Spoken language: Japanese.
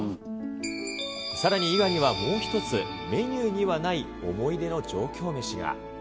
さらに伊賀にはもう一つ、メニューにはない思い出の上京メシが。